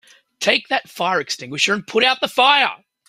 Take that fire extinguisher and put out the fire!